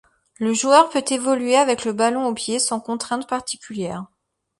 Le joueur peut évoluer avec le ballon au pied sans contraintes particulières.